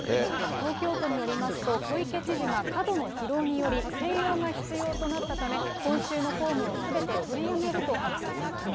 東京都によりますと、小池知事が過度の疲労により、静養が必要となったため、今週の公務をすべて取りやめると発表しました。